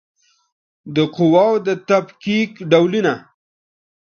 د قواوو د تفکیک ډولونه